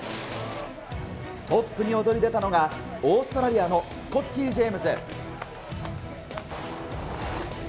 トップに躍り出たのが、オーストラリアのスコッティ・ジェームズ。